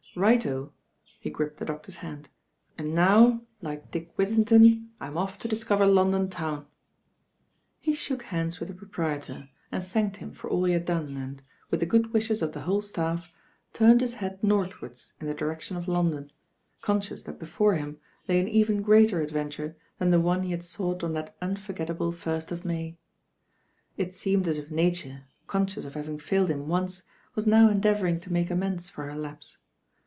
"Right o," he gripped the doctor's hand, "and now, like Dick Whittington, I'm off to discover London town." He shook hands with the proprietor, and thanked hun for aU he had done and, with the good wishes u J.* ^^•'*""•'^ northwards in the direction of London, conscious that before him lay an even greater adventure than the one he had sought on that unforgettable first of May. It seemed as if Nature, conscious of having faUed hun once, was now endeavouring to make amends for her lapse.